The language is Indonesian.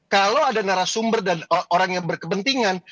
kalau ada narasumber dan orang yang berkepentingan